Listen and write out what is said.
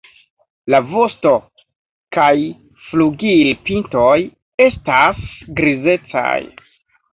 La vosto- kaj flugilpintoj estas grizecaj.